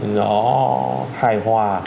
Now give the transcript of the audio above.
nó hài hòa